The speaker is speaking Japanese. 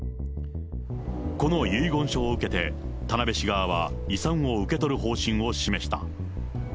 この遺言書を受けて、田辺市側は遺産を受け取る方針を示した。